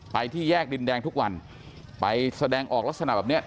ที่แยกดินแดงทุกวันไปแสดงออกลักษณะแบบเนี้ย